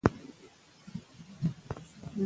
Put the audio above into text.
هغه د محاصرې کړۍ نوره هم تنګ کړه.